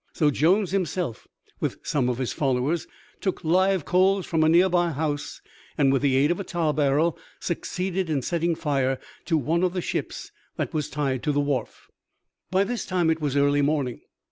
So Jones himself with some of his followers took live coals from a nearby house and with the aid of a tar barrel succeeded in setting fire to one of the ships that was tied to the wharf. By this time it was early morning.